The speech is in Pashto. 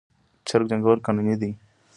چرګ جنګول قانوني دي؟